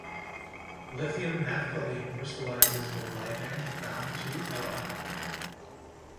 Lithium naphthalene crystallizes with ligands bound to Li.